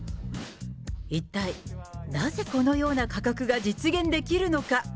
一体なぜこのような価格が実現できるのか。